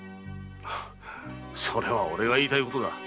それは俺が言いたいことだ。